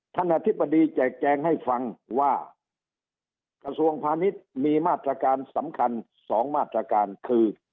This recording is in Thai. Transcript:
อธิบดีแจกแจงให้ฟังว่ากระทรวงพาณิชย์มีมาตรการสำคัญ๒มาตรการคือ